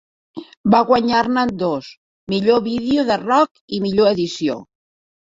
Va guanyar-ne dos, Millor Video de Rock i Millor Edició.